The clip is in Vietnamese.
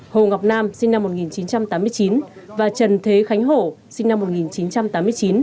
hồ ngọc nam sinh năm một nghìn chín trăm tám mươi chín và trần thế khánh hổ sinh năm một nghìn chín trăm tám mươi chín